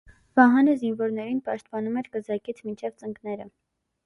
Վահանը զինվորին պաշտպանում էր կզակից մինչև ծնկները։